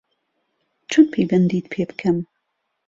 چۆن پەیوەندیت پێ بکەم